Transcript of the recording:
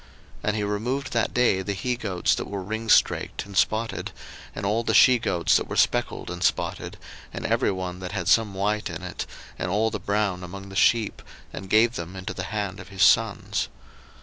01:030:035 And he removed that day the he goats that were ringstraked and spotted, and all the she goats that were speckled and spotted, and every one that had some white in it, and all the brown among the sheep, and gave them into the hand of his sons.